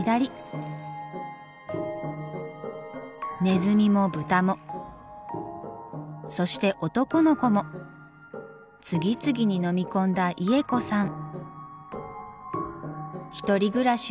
ネズミもブタもそして男の子も次々に飲み込んだイエコさん。